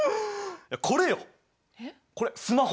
これよこれスマホ。